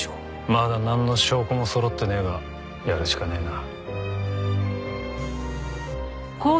まだなんの証拠もそろってねえがやるしかねえな。